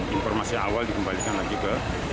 dan informasi awal dikembalikan lagi ke